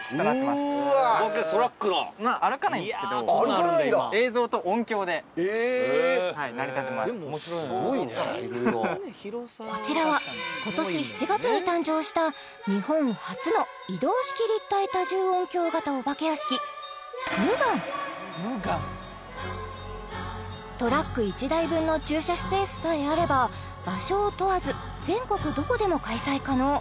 すごいねいろいろこちらは「無顔」トラック１台分の駐車スペースさえあれば場所を問わず全国どこでも開催可能